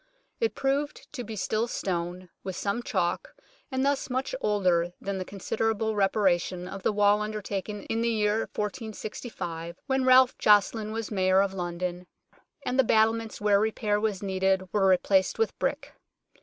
It proved to be still stone, with some chalk, and thus much older than the considerable reparation of the wall undertaken in the year 1465, when Ralph Joceline was Mayor of London, and the battlements where repair was needed were replaced with brick.